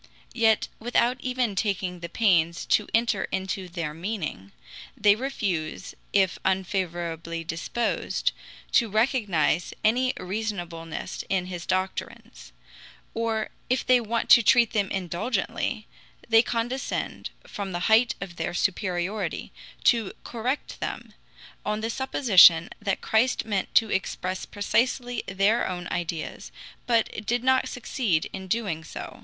Yet, without even taking the pains to enter into their meaning, they refuse, if unfavorably disposed, to recognize any reasonableness in his doctrines; or if they want to treat them indulgently, they condescend, from the height of their superiority, to correct them, on the supposition that Christ meant to express precisely their own ideas, but did not succeed in doing so.